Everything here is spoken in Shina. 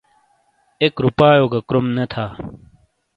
ایک روپائیو گہ کروم نے تھا۔